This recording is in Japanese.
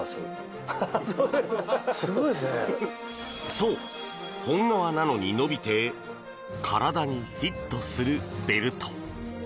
そう、本革なのに伸びて体にフィットするベルト。